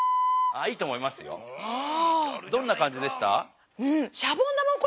どんな感じでした？